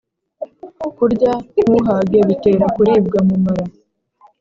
kurya ntuhage bitera kuribwa mu mara.